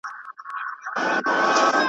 ماخستن مهال په وروستۍ دعا سره پای ته ورسېد